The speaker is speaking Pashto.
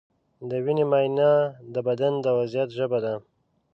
د وینې معاینه د بدن د وضعیت ژبه ده.